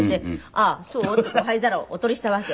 「ああそう」って灰皿をお取りしたわけ。